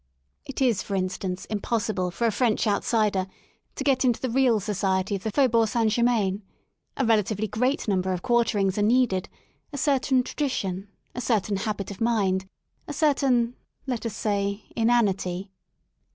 It is, for instance, impossible for a French outsider III I : THE SOUL OF LONDON to get into" the real society of the Faubourg St. h, Germain ; a relatively great number of quarterings are ivl needed, a certain tradition, a certain habit of mind, a I j ; certain, let us say, inanity.